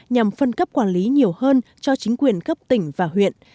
nhằm phân cấp quản lý nhiều hơn cho chính quyền cấp tỉnh và huyện